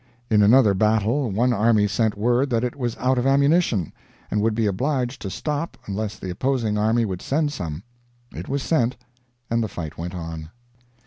In another battle one army sent word that it was out of ammunition, and would be obliged to stop unless the opposing army would send some. It was sent, and the fight went on.